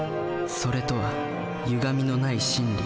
「それ」とはゆがみのない真理。